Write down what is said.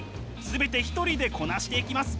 全て一人でこなしていきます。